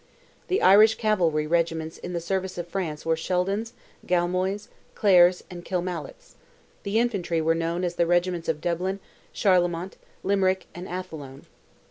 The Irish cavalry regiments in the service of France were Sheldon's, Galmoy's, Clare's, and Killmallock's; the infantry were known as the regiments of Dublin, Charlemont, Limerick, and Athlone.